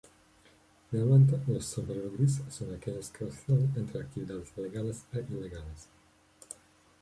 Finalmente, los Sombrero Gris son aquellos que oscilan entre actividades legales e ilegales.